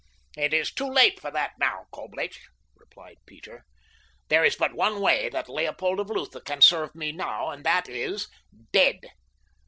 "It is too late for that now, Coblich," replied Peter. "There is but one way that Leopold of Lutha can serve me now, and that is—dead.